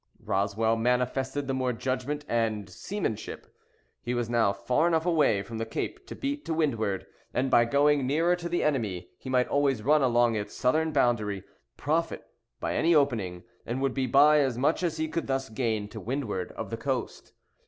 Roswell manifested the more judgment and seamanship. He was now far enough away from the cape to beat to windward; and, by going nearer to the enemy, he might always run along its southern boundary, profit by any opening, and would be by as much as he could thus gain, to windward of the coast.